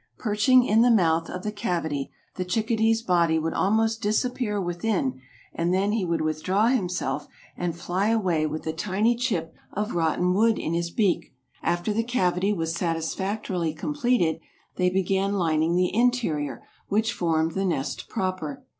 Perching in the mouth of the cavity the chickadee's body would almost disappear within and then he would withdraw himself and fly away with a tiny chip of rotten wood in his beak. After the cavity was satisfactorily completed they began lining the interior, which formed the nest proper.